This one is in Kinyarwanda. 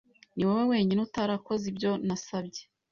Niwowe wenyine utarakoze ibyo nasabye.